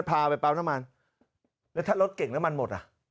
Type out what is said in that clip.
พาไปปั๊มน้ำมันแล้วถ้ารถเก่งน้ำมันหมดอ่ะ